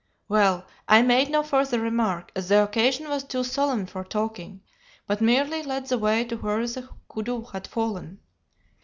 Well, I made no further remark, as the occasion was too solemn for talking, but merely led the way to where the koodoo had fallen.